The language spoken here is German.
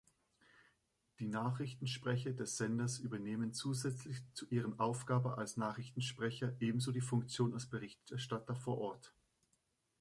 Die Nachrichtensprecher des Senders übernehmen zusätzlich zu ihrer Aufgabe als Nachrichtensprecher ebenso die Funktion als Berichterstatter vor Ort.